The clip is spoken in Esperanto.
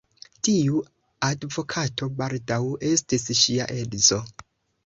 Tiu advokato baldaŭ estis ŝia edzo.